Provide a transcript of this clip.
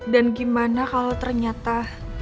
dan gimana kalau ternyata